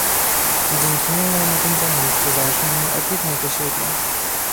dzięki niemu nie będziemy już uzależnieni od jednego źródła